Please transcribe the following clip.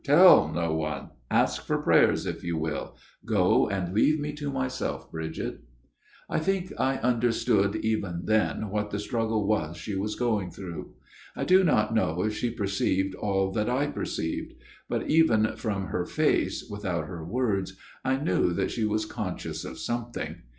' Tell no one Ask for prayers, if you will. Go and leave me to myself, Bridget.' " I think I understood even then what the struggle was she was going through. I do not know if she perceived all that I perceived ; but even from her face, without her words, I knew that she was conscious of something.